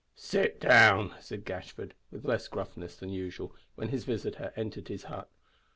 "Sit down," said Gashford, with less gruffness than usual, when his visitor entered his hut.